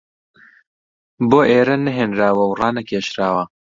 بۆ ئێرە نەهێنراوە و ڕانەکێشراوە